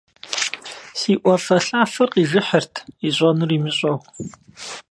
Си Ӏуфэлъафэр къижыхьырт, ищӀэнур имыщӀэу.